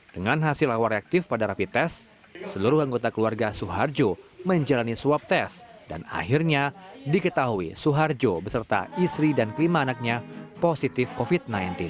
dengan hasil awal reaktif pada rapi tes seluruh anggota keluarga suharjo menjalani swab tes dan akhirnya diketahui suharjo beserta istri dan kelima anaknya positif covid sembilan belas